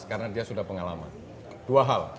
karena dia sudah pengalaman dua hal